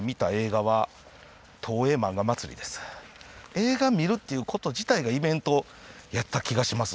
映画見るっていうこと自体がイベントやった気がします。